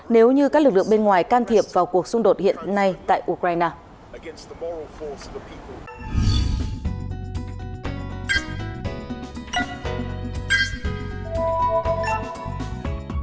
nếu như các lực lượng bên ngoài can thiệp vào cuộc xung đột hiện nay tại ukraine